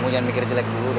yang terima dulu